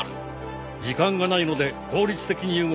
時間がないので効率的に動きたい。